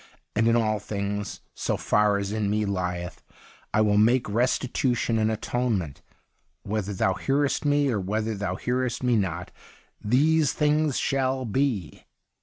And in all things, so far as in me lieth, I will make restitution and atone ment. Whether Thou hearest me or whether Thou hearest me not, these things shall be.